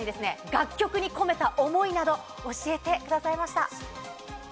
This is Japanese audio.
楽曲に込めた思いなど教えてくださいました。